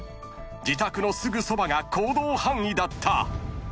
［自宅のすぐそばが行動範囲だった］